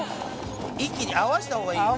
一気に合わせた方がいい？